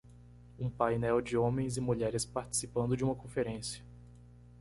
Um painel de homens e mulheres participando de uma conferência.